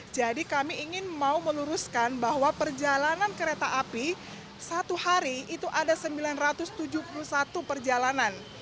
jadi kami ingin mau meluruskan bahwa perjalanan kereta api satu hari itu ada sembilan ratus tujuh puluh satu perjalanan